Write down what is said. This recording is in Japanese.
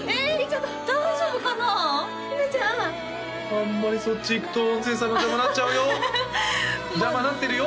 あんまりそっち行くと音声さんの邪魔なっちゃうよ邪魔なってるよ